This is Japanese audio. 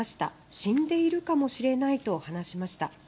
死んでいるかもしれない」と話しました。